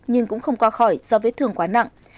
nhưng cũng không qua khỏi do vết thương quá nặng